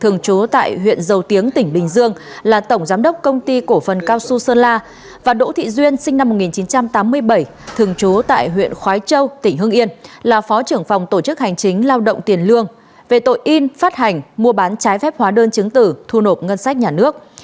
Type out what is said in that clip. thường chố tại huyện dầu tiếng tỉnh bình dương là tổng giám đốc công ty cổ phần cao xu sơn la và đỗ thị duyên sinh năm một nghìn chín trăm tám mươi bảy thường trú tại huyện khói châu tỉnh hương yên là phó trưởng phòng tổ chức hành chính lao động tiền lương về tội in phát hành mua bán trái phép hóa đơn chứng tử thu nộp ngân sách nhà nước